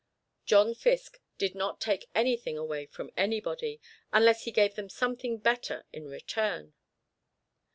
John Fiske did not take anything away from anybody, unless he gave them something better in return.